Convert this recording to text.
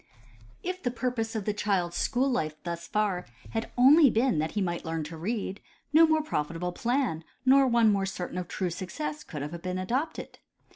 If the purpose of the child's school life thus far had been only that he might learn to read, no more profitable, plan nor one more certain of true success could have been adopted.